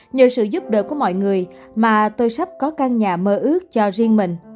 nhờ sự giúp đỡ của mọi người mà tôi sắp có căn nhà mơ ước cho riêng mình